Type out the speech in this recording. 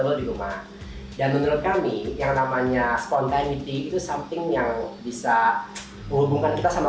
nah dan menurut kami yang namanya spontaneity itu samping yang bisa menghubungkan kita sama